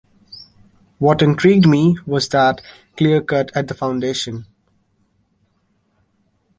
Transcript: What intrigued me was that clear-cut at the foundation.